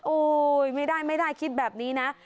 อุ๊ยไม่ได้คิดแบบนี้นะ